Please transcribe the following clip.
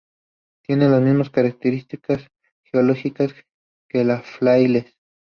Tiene las mismas características geológicas que los Frailes.